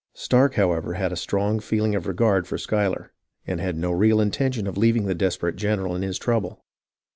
Stark, however, had a strong feeling of regard for Schuyler, and had no real intention of leaving the desper ate general in his trouble.